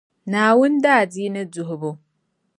Naawuni daadiini duhibu.